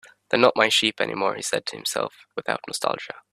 "They're not my sheep anymore," he said to himself, without nostalgia.